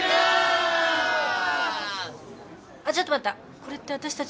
ちょっと待った。